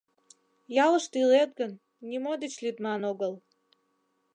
— Ялыште илет гын, нимо деч лӱдман огыл.